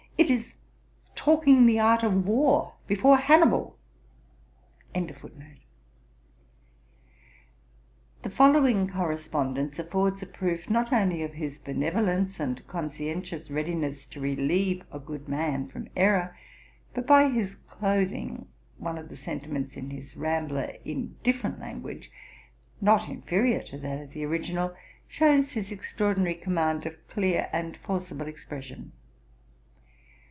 Notwithstanding his afflicted state of body and mind this year, the following correspondence affords a proof not only of his benevolence and conscientious readiness to relieve a good man from errour, but by his cloathing one of the sentiments in his Rambler in different language, not inferiour to that of the original, shews his extraordinary command of clear and forcible expression.